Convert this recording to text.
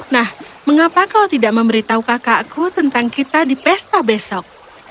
nah mengapa kau tidak memberitahu kakakku tentang kita di pesta besok